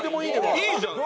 いいじゃん！